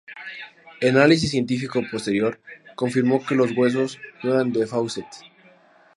El análisis científico posterior confirmó que los huesos no eran de Fawcett.